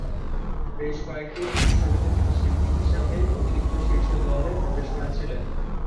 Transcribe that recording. বেশ কয়েকটি হিট ছবিতে তিনি শিল্পী হিসাবে অতিরিক্ত শীর্ষ দশে প্রবেশ করেছিলেন।